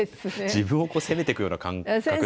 自分を責めていくような感覚ですよね。